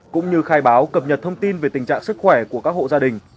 cũng như khai báo cập nhật thông tin về tình trạng sức khỏe của các hộ gia đình